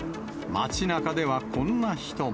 町なかではこんな人も。